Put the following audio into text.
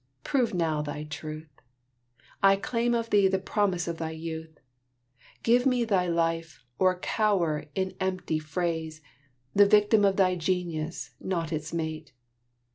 Prove now thy truth; I claim of thee the promise of thy youth; Give me thy life, or cower in empty phrase, The victim of thy genius, not its mate!"